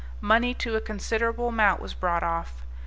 Money to a considerable amount was brought off.